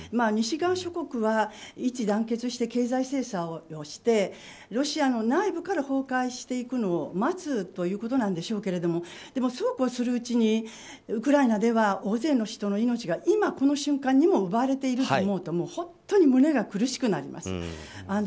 西側諸国は一致団結して経済制裁をしてロシアの内部から崩壊していくのを待つということなんでしょうけどそうこうするうちにウクライナでは大勢の人の命が今この瞬間にも奪われていると思うと胸が苦しくなります。